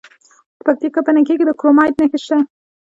د پکتیکا په نکې کې د کرومایټ نښې شته.